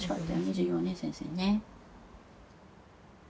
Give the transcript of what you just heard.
授業ね先生ね。